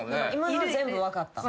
今のは全部分かった？